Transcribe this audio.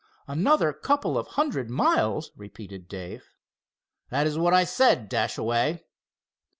"Another couple of hundred miles?" repeated Dave. "That is what I said, Dashaway."